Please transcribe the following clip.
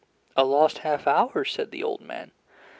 "A lost half hour?" said the old man.